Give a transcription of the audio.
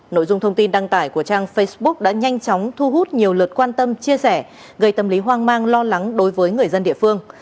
nội dung thông tin đăng tải của trang facebook đã nhanh chóng thu hút nhiều lượt quan tâm chia sẻ gây tâm lý hoang mang lo lắng đối với người dân địa phương